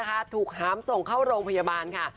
เคยป๊อกนะคะถูกหามส่งเข้าโรงพยาบาลค่ะ